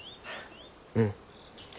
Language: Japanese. うん。